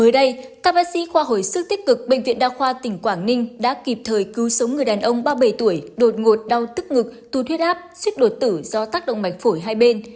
các bác sĩ khoa hồi sức tích cực bệnh viện đa khoa tỉnh quảng ninh đã kịp thời cứu sống người đàn ông ba mươi bảy tuổi đột ngột đau tức ngực tu thiết áp suýt đột tử do tắc động mạch phổi hai bên